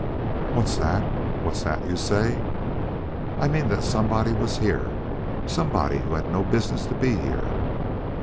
"What's that? What's that you say?" "I mean that somebody was here somebody who had no business to be here."